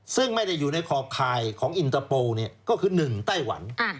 ซึ่งไม่ได้อยู่ในขอบคายของอินเตอร์โปร์ก็คือ๑ไต้หวัน